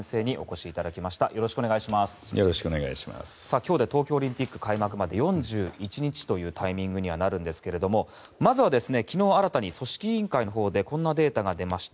今日で東京オリンピック開幕で４１日というタイミングにはなるんですがまずは昨日新たに組織委員会のほうでこんなデータが出ました。